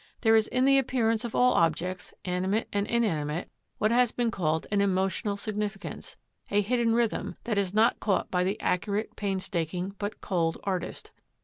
There is in the appearance of all objects, animate and inanimate, what has been called an #emotional significance#, a hidden rhythm that is not caught by the accurate, painstaking, but cold artist.